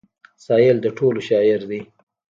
سايل د ټولو شاعر دی.